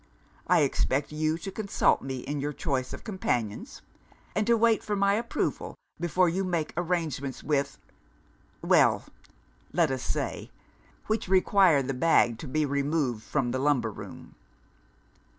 I expect you to consult me in your choice of companions; and to wait for my approval before you make arrangements which well! let us say, which require the bag to be removed from the lumber room."